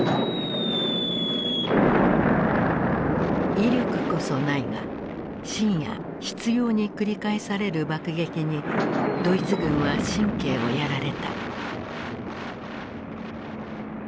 威力こそないが深夜執ように繰り返される爆撃にドイツ軍は神経をやられた。